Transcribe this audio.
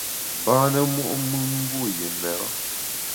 Mbâne mo’mùn mbu yi mêre.